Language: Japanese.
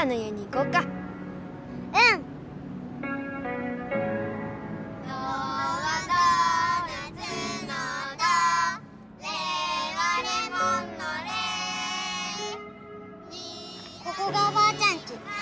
ここがおばあちゃんち。